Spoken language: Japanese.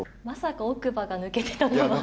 まさか奥歯が抜けてたとは？